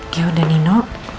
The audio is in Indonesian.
ya udah nino